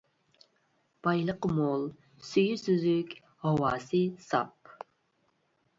بايلىقى مول، سۈيى سۈزۈك، ھاۋاسى ساپ.